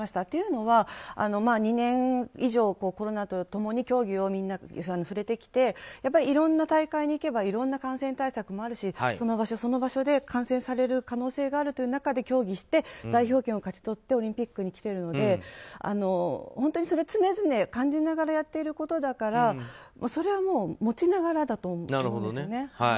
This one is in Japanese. というのは、２年以上コロナと共に競技をやってきていろんな大会に行けばいろんな感染対策もあるしその場所、その場所で感染する可能性がある中で競技して、代表権を勝ち取ってオリンピックに来ているので本当にそれは常々感じながらやっていることだからそれはもう、持ちながらだと思うんですよね。